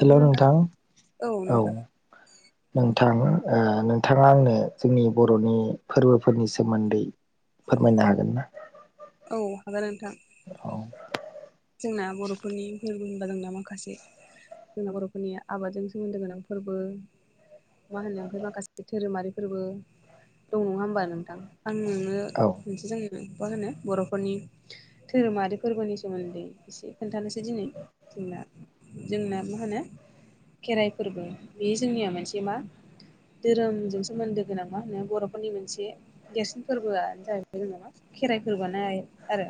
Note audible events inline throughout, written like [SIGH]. हेल' नोंथां औ नोंथां नोंथाङा आंनो जोंनि बर'नि फोरबोफोरनि सोमोन्दै फोरमायनो हागोन ना औ हागोन नोंथां औ जोंना बर'फोरनि फोर बो होनबा जोंना माखासे जोंना बर'फोरनि आबादजों सोमोन्दो गोनां फोरबो मा होनो ओमफ्राय माखासे धोरोमारिफोरबो दं नङा होमबा नोंथां आं नोंनो औ मोनसे जोङो मा होनो बर'फोरनि धोरोमारि फोरबोनि सोमोन नदै एसे खोन्थानोसै दिनै जोंना जोंना मा होनो खेराइ फोरबो बे जोंनिया मोनसे मा धोरोमजों सोमोन्दो गोनां मा होन बर'फोरनि मोनसे देरसिन फोरबोआनो जाहैबाय जों नामा खेराइ फोरबो आरो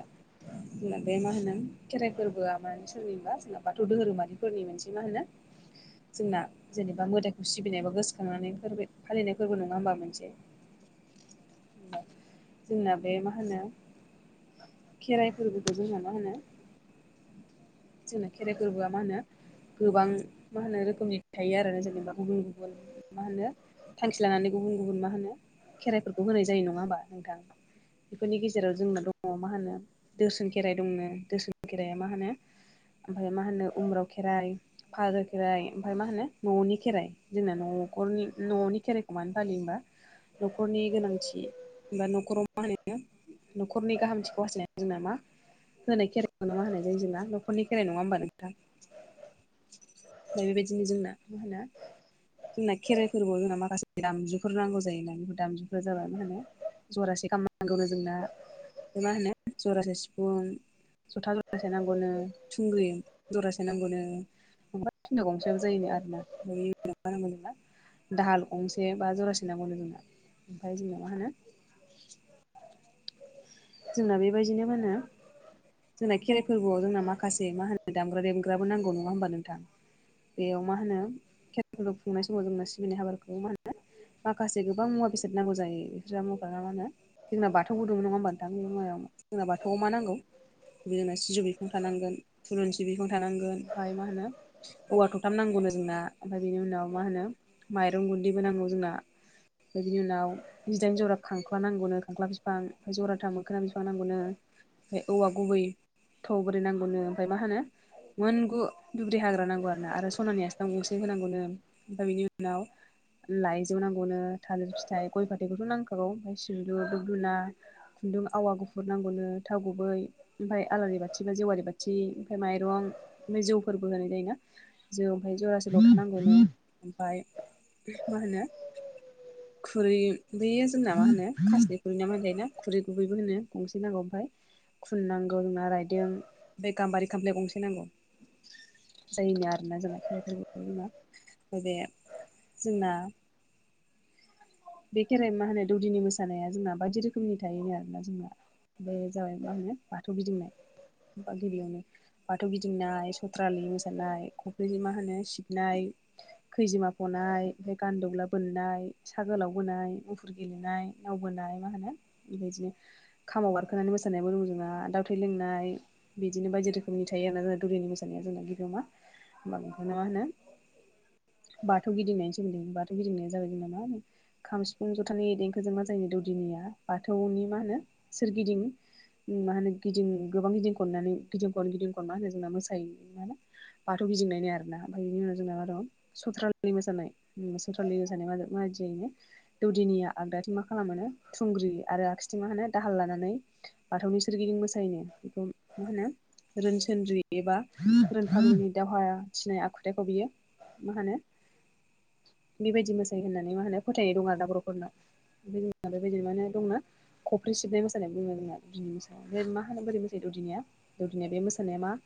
बे मा होनो खेराइ फोरबोआ मानो सोरनिबा जोंना बाथौ धोरोमारिफोरनि मोनसे मा होनो जोंना जेनेबा मोदायखौ सिबिनायबा गोसोखांनानै फोरबो फालिनाय फोरबो नङा होमबा मोनसे [INAUDIBLE] जोंना बे मा होनो खेराइ फोरबोखौ जोंना मा होनो जोंना खेराइ फोरबोआ मा होनो गोबां मा होनो रोखोमनि थायो आरो जेनेबा गुबुन गुबुन मा होनो थांखि लानानै गुबुन गुबुन मा होनो खेराइफोरखौ होनाय जायो नङा होमबा नोंथां बेफोरनि गेजेराव जोंना दङ मा होनो दोसोन खेराइ दंनो दोसोन खेराया मा होनो ओमफ्राय मा होनो उम्राव खेराइ फालो खेराइ ओमफ्राय मा होनो न'नि खेराइ जोंना न'खरनि न'नि खेराइखौ मानो फालियो होमबा न'खरनि गोनांथि एबा न'खराव मा होनो न'खरनि गाहामथिखौ हासथायनाय जोंना मा होनाय खे नामा होनाय जोंना नखरनि खेराइ नङा होमबा नोंथां बेबायदिनो जोंना मा होनो जोंना खेराइ फोरबोआव जोंना माखासे दामजुफोर नांगौ जायोना बेफोर दामजुफ्रा जाबाय मा होनो जरासे खाम नांगौनो जोंना ओमफ्राय मा होनो जरासे सिफुं जथा जरासे नांगौनो थुंग्रि जरासे नांगौनो [UNINTELLIGIBLE] गंसेयाबो जायोनो आरोना [UNINTELLIGIBLE] दाहाल गंसे बा जरासे नांगौनो जोंना ओमफ्राय जोंनोव मा होनो जोंना बेबायदिनो मा होनो जोंना खेराइ फोरबोआव जोंना माखासे मा होनो दामग्रा देग्राबो नांगौ नङा होमबा नोंथां। बेयाव मा होनो खेराइफोरखौ खुंनाय समाव जोंङो सिबिनाय हाबाखौ मा होनो माखासे गोबां मुवा बेसाद नांगौ जायो बिस्रा मुवा ना मा होनो जोंना बाथौबो‌ दुमो नङा होमबा। [UNINTELLIGIBLE] जोंना बाथौयाव मा नांगौ जोंना सिजौ बिफां थानांगोन थुलुनसि बिफां थानांगोन ओमफ्राय मा होनो औवा थथाम नांगौनो जोंना ओमफ्राय बिनि उनाव मा होनो माइरं गुदैबो नांगौ जोंना। ओमफ्राय बिनि उनाव जिदाइन जरा खांख्ला नांगौनो खांख्ला बिफां जरा गोथां मोखोना बिफां नांगौनो ओमफ्राय औवा गुबै थब्रै नांगौनो ओमफ्राय मा होनो मोनगु दुब्रि हाग्रा नांगौ आरो ना आरो सनानि आसथाम गंसे होनांगौनो ओमफाय बिनि उनाव लाइजौ नांगौनो थालिर फिथाइ गय फाथैखौथ' नांखागौ ओमफ्राय सिबलु दुबदुना खुन्दुं आवा गुफुर नांगौनो थाव गुबै ओमफाय आलारि बाथि बा जेवारि बाथि ओमफाय माइरं ओमफाय जौफोरबो होनाय जायोना जौ ओमफाय जरासे लथा नांगौनो ओमफाय मा होनो खुरै बे जोंना मा होनो खासनि खुरै ना थायोना खुरै गुबैबो होनो गंसे नांगौ ओमफाय खुन नांगौ ना रायदों ओमफ्राय गाम्बारि खामफ्लाय गंसे नांगौ। जायनि आरोना जोंना खेराइफोर जों मा बे जोंना बे खेराइ मा होनो दौदिनि मोसानाया जोंना बायदि रोखोमनि थायोनो आरोना जोंना बे जाबाय मा होनो बाथौ गिदिंनाया बा गिबियावनो बाथौ गिदिंनाय सथ्रालि मोसानाय खफ्रि जों मा होनो सिबनाय खैजिमा फनाय ओमफाय गानदौला बोननाय साहा गोलाव बोनाय मुफुर गेलेनाय नावबोनाय मा होनो बेबायदिनो खामाव बारखोनानै मोसानायबो दं जोंहा दाउ थै लोंनाय बिदिनो बायदि रोखोमनि थायो आरोना जोंना दौदिनि मोसानाया जोंना गिबियाव मा होमबा बेखौनो मा होनो बाथौ गिदिंनायनि सोमोनदै बाथौ गिदिंनाय जाबाय जोंना मा खाम सिफुं जथानि देंखोजों मा जायोनि दौदिनिया बाथौनि मा होनो सोरगिदिं मा होनो गिदिं गोबां गिदिं खननानै गिदिं खन गिदिं खनना होनो जोंना मोसायो मा होनो बाथौ गिदिंनाय आरोना ओमफाय बिनि उनाव जोंना मा दं सथ्रालि मोसानाय सथ्रालि मोसानाय मा मा बायदि जायो दौदिनिया आगदाथिं मा खालामोनो थुंग्रि आरो आगसिथिं मा होनो दाहाल लानानै बाथौनि सोरगिदिं मोसायोनो बेखौ मा होनो रोनसोनद्रि एबा रोनफाग्लिनि दावहा थिनाय आखुथाइखौ बियो मा होनो बेबायदि मोसायो होननानै मा होनो फोथायनाय दं आरो ना बर'फोरनाव [UNINTELLIGIBLE] दंना खफ्रि सिबनाय मोानाय दङ जोंना दौदिनिया बे मा होनो बोरै मोसायो दौदिनिया दौदिनिया बे मोसानाया मा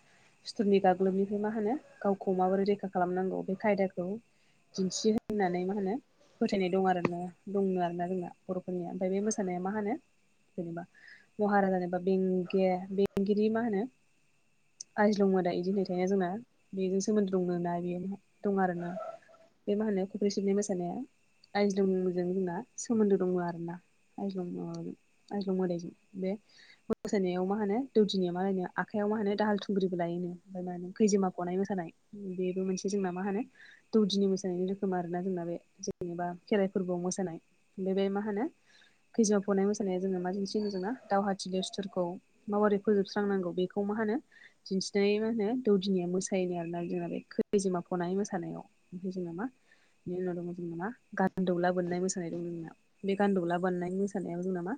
सुथुरनि गाग्लोबनिफ्राय मा होनो गावखौ माबोरै रैखा खालामनांगौ बे खायदाखौ दिन्थियो होननानै मा होनो फोथायनाय दं आरोना दं आरोना जोंना बर'फोरनि ओमफ्राय बे मोसानाया मा होनो जेनेबा महाराजा जेनेबा बेंगे बेंगिरि मा होनो आयज्लं मोदाइ बिदि होननाय थायो जोंना बेजों सोमोन्दो दंनो दं आरोना बे मा होनो खख्रि सिबनाय मोसानाया आयज्लुं मोदायजों जोंना सोमोन्दो दङ आरो ना आज्लं मा जों आज्लं मोदाइजों बे मोसानायाव मा होनो दौदिनिया मा लायनो आखाइयाव मा होनो दाहाल थुंग्रिबो लायो मा होनो खैजोमा फनाय मोसानाय बेबो मोनसे जोंना मा होनो दौदिनि मोसानायनि रोखोम आरो ना जोंना बे जेनेबा खेराइ फोरबोआव मोसानाय बेबाय मा होनो खैजोमा फनाय मोसानाया जोङो माजोसै जोंना दावहाथिलिआव सुथुरखौ माबोरै फोजोबस्रांनांगौ बेखौ मा होनो दिन्थिनाय मा होनो दौदिनिया मोसायोनो आरोना जोंना बे खैैजिमा फनाय मोसानायाव ओमफ्राय जों नामा बेनि उनाव दङ जों नामा गान्दौला बोननाय मोसानाय दं जोंना बे गान्दौला बोननाय मोसानायाव जोंना मा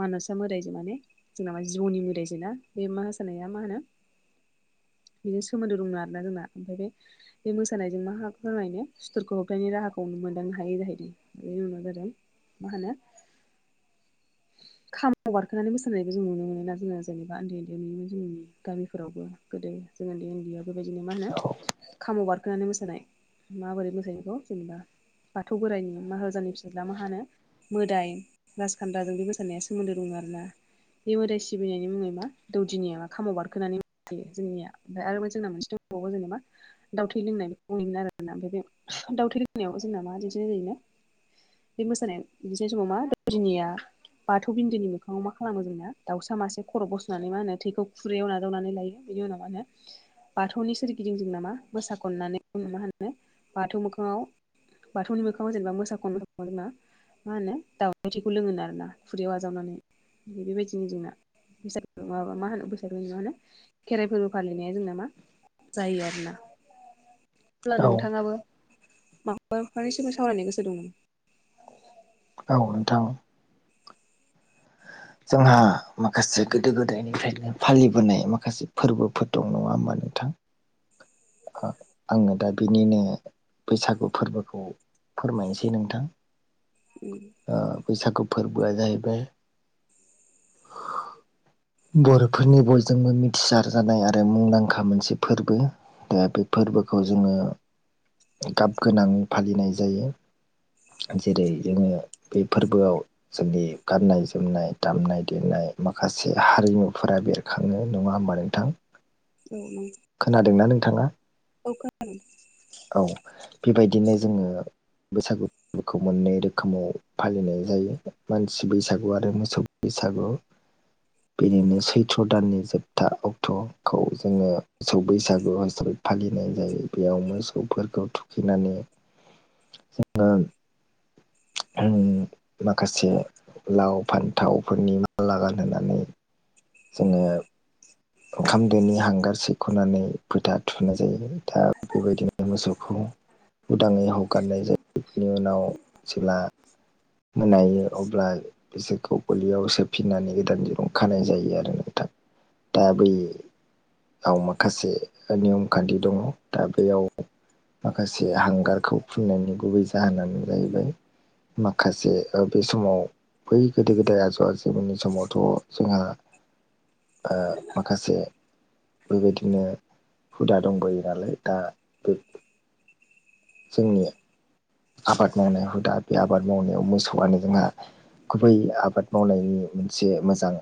मानसाआ मोदायजो माने जोंनाबा जिउनि मोदायजों ना बे मोसानाया मा होनो बेजों सोमोन्दो दं आरो ना जोंना ओमफ्राय बे बे मोसानायजों मा हा फोरायनो सुथुरखौ होबथानायनि राहाखौ मोनदोंनो हा हायो जाहैदों बेनि उनाव जादों मा होनो [INAUDIBLE] खाम बारखोननानै मोसानायखौ जों नुनो मोनो जोङो जेन'बा उन्दै उन्दैयावनो गामिफोरावबो [UNINTELLIGIBLE] गोदो जों उन्दै उन्दैयाव बेबायदिनो मा होनो औ खामाव बारखोनानै मोसानाय माबोरै मोसायो बेखौ जेनेबा बाथौ बोराइनि माहाराजोनि फिसाज्ला मा होनो मोदाय राजखान्दाजों बे मोसानाया सोमोन्दो दङ आरोना बे मोदाय सिबिनायनि मुङै मा दौदिनिया मा खामाव बारखोनानै जोंनिया ओमफ्राय आरो जोंना मोनसे दंबावो जेनेबा दाउथै लोंनाय बेखौ बुं नोमोन आरोना ओमफ्राय बे दाउथै लोंनायाव जोंना मा दिन्थिनाय जायोना बे मोसानाया बिदिनाय समाव मा दौदिनिया बाथौ बिन्दोनि मोखाङाव मा खालामो जोंना दाउसा मासे खर' बस'नानै मा होनो थैखौ खुरैयाव नाजावनानै लायो बिनि उनाव मा होनो बाथौनि सोरगिदिं जों नामा मोसााखननानै मा होनो बाथौ मोखाङाव बाथौनि मोखाङाव जेनेबा मोसाखन जोंना मा होनो दाउनि थैखौ लोङोनो आरोना खुरैयाव आजावनानै बेबायदिनो जोंना बैसाग माबा मा होनो बैसागुनि मा होनो खेराइ फोरबो फालिनाया जोंना मा जायो आरो ना [INAUDIBLE] अब्ला नोंथाङाबो माबाफोरनिसिम सावरायनो गोसो दंमोन औ नोंथां जोंहा माखासे गोदो गोदायनिफ्रायनो फालिबोनाय माखासे फोरबोफोर दं नङा होमबा नोंथां आङो दा बिनिनो बैसागु फोरबोखौ फोरमायनोसै नोंथां उम ओ बैसागु फोरबोआ जाहैबाय बर'फोरनि बयजोंबो मिथिसार जानाय आरो मुंदांखा मोनसे फोरबो दा बे फोरबोखौ जोङो गाब गोनां फालिनाय जायो जेरै जोङो बे फोरबोआव जोंनि गाननाय जोमनाय दामनाय देनाय माखासे हारिमुफोरा बेर खांनो नङा होमबा नोंथां औ नों खोनादोंना नोंथाङा औ खोनादों औ बेबायदिनो जोङो बैसागु बेखौ मोननै रोखोमाव फालिनाय जायो मानसि बैसागु आरो मोसौ बैसागु बिदिनो सैथ्र' दाननि जोबथा अक्ट'खौ जोङो मोसौ बैसागु हिसाबै फालिनाय जायो बेयाव मोसौफोरखौ थुखैनानै जों माखासे लाव फान्थावफोरनि माला गानहोनानै जोङो ओंखाम दोनि हांगार सैख'नानै फोथा थुनाय जायो दा बेबायदिनो मोसौखौ उदाङै हगारनाय जायो जायफोरनि उनाव जेब्ला मोनायो अब्ला बिसोरखौ गलियाव सोफिननानै गोदान दिरुं खानाय जायो आरो नोंथां दा बैयाव माखासे नियम खान्थि दङ दा बेयाव माखासे हांगारखौ फुननायनि गुबै जाहोनानो जाहैबाय माखासे बे समाव बै गोदो गोदाय आजौ आजैमोननि समावथ' जोंहा ओ माखासे बेबायदिनो हुदा दंबोयो नालाय दा बे जोंनिया आबाद मावनाय हुदा बे आबाद मावनायाव मोसौआनो जोंहा गुबै आबाद मावनायनि मोनसे मोजां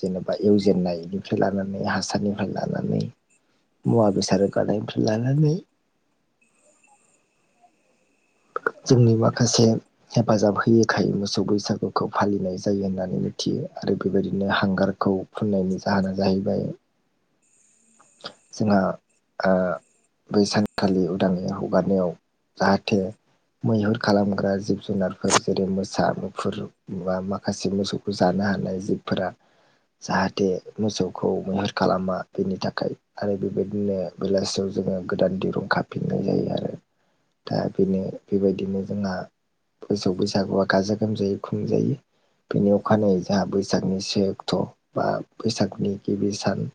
जेनेबा एवजेननायनिफ्राय लानानै हासारनिफ्राय लानानै मुवा बेसाद रोगानायनिफ्राय लानानै जोंनि माखासे हेफाजाब होयोखाय मोसौ बैसागुखौ फालिनाय जायो होननानै मिथियो आरो बेबायदिनो हांगारखौ फुननायनि जाहोना जाहैबाय जोंहा ओ बै सानखालि उदाङै हगारनायाव जाहाथे मैहुर खालामग्रा जिब जुनारफोर जेरै मोसा मुफुर बा माखासे मोसौखौ जानो हानाय जिब फोरा जाहाथे मोसौखौ मैहुर खालामा बेनि थाखाय आरो बेबायदिनो बेलासियाव जोङो गोदान दिरुं खाफिननाय जायो आरो दा बेनो बेबायदिनो जोंहा मोसौ बैसागुआ गाजा गोमजायै खुंजायो। बेनि अखानायै जोंहा बैसागुनि से अक्ट' बा बैसागुनि गिबि सान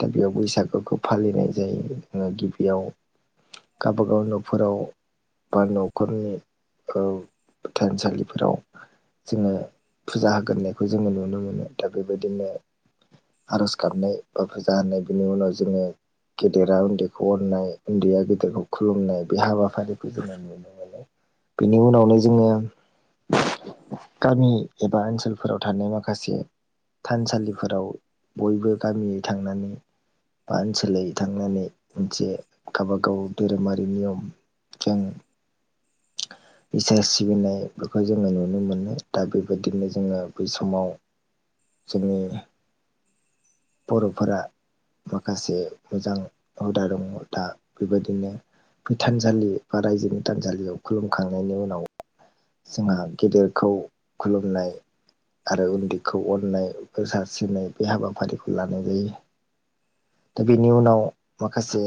दा बेयाव बैसागोखौ फालिनाय जायो जोङो गिबियाव गावबागाव न'फोराव बा न'खरनि ओ थानसालिफोराव जोङो फुजा होग्रोनायखौ जोङो नुनो मोनो दा बेबायदिनो आर'ज गाबनाय बा फुजा होनाय बिनि उनाव जोङो गेदेरा उन्दैखौ अननाय उन्दैया गेदेरखौ खुलुमनाय बे हाबाफारिखौ जोङो नुनो मोनो। बेनि उनावनो जोङो गामि एबा ओनसोलफोराव थानाय माखासे थानसालिफोराव बयबो गामियै थांनानै बा ओनसोलै थांनानै मोनसे गावबागाव धोरोमारि नियम जों इसोर सिबिनाय बेखौ जोङो नुनो मोनो दा बेबायदिनो जोङो बै समाव जोंङो बर'फोरा माखासे मोजां हुदा दं दा बेबायदिनो बे थानसालि बा रायजोनि थानसालियाव खुलुमखांनायनि उनाव जोंहा गेदेरखौ खुलुमनाय आरो उन्दैखौ अननाय बोर सारस्रिनाय बे हाबाफारिखौ लानाय जायो। दा बेनि उनाव माखासे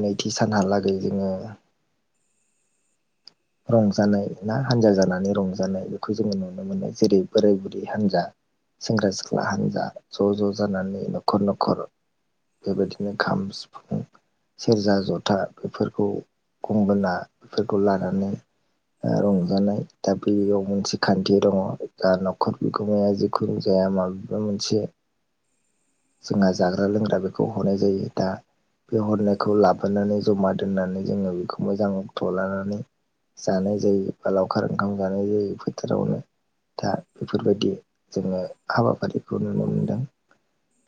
नैथि सानहालागै जोङो रंजानाय ना हान्जा जानानै रंजानाय बेखौ जोङो नुनो मोनो जेरै बोराय बुरि हानजा सेंग्रा सिख्ला हान्जा ज' ज' जानानै न'खर न'खर बेबायदिनो खाम सिफुं सेरजा जथा बेफोरखौ गंगोना बेफोरखौ लानानै रंजानाय दा बेयाव मोनसे खान्थि दङ' जा न'खर बिगोमाया जिखुनु जाया माबेबा मोनसे जोंहा जाग्रा लोंग्रा बेखौ हरनाय जायो दा बे हरनायखौ लाबोनानै जमा दोननानै जोङो बेखौ मोजां अक्ट लानानै जानाय जायो बा लावखार ओंखाम जानाय जायो फोथारावनो दा बेफोरबायदि जोङो हाबाफारिखौ नुनो मोनदों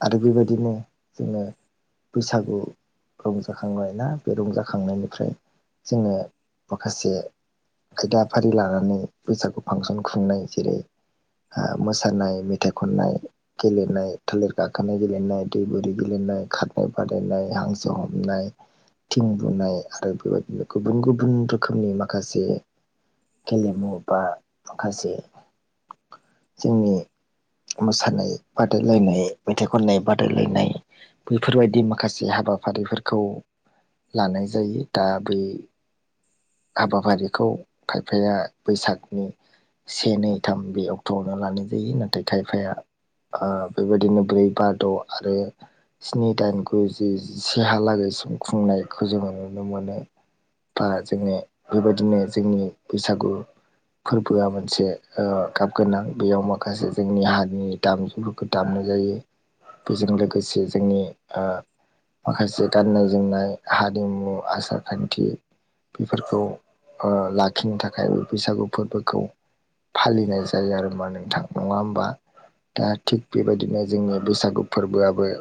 आरो बेबायदिनो जोङो बैसागु रंजाखांबाय ना बे रंजाखांनायनिफ्राय जोङो माखासे खायदाफारि लानानै बैसागु फांसन खुंनाय जायो। ओ मोसानाय मेथाइ खननाय गेलेनाय थालिर गाखोनाय गेलेनाय दै बोरि गेलेनाय खारनाय बादायनाय हांसो हमनाय थिं बुनाय आरो बेबायदिनो गुबुन गुबुन रोखोमनि मा- खासे गेलेमु बा माखासे जोंनि मोसानाय बादायलायनाय मेथाइ खननाय बादायलायनाय बेैफोरबायदि माखासे हाबाफारिफोरखौ लानाय जायो दा बै हाबाफारिखौ खायफाया बैसागनि- से नै थाम बे अक्ट'आवनो लानाय जायो नाथाय खायफाया बेबायदिनो ब्रै बा द' आरो स्नि दाइन गु जिसेहालागैसिम खुंनायखौ जोङो नुनो मोनो। बा जोंङो बेबायदिनो जोंनि बैसागु फोरबोआ मोनसे गाब गोनां बेयाव माखासे जोंनि हारिनि दामजुफोरखौ दामनाय जायो बेजों लोगोसे जोंनि ओ। माखासे गाननाय जोमनाय हारिमु आसार खान्थि फोरखौ लाखिनो थाखाय बैसागु फोरबोखौ फालिनाय जायो आरोना नोंथां नङा ओमबा? दा थिग बेबायदिनो जोंनि बैसागु फोरबोआबो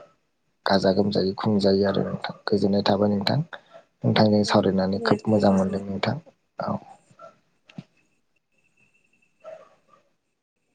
गाजा गोमजायै खुंजायो आरो गोजोननाय थाबाय नोंथां नोंथांजों सावरायनानै खोब गोजोननाय थाबाय मोजां नोंथांसिम मोनदों नोंथां। औ